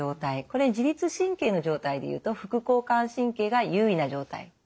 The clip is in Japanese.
これ自律神経の状態でいうと副交感神経が優位な状態。